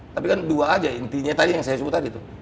tapi kan dua aja intinya tadi yang saya sebut tadi tuh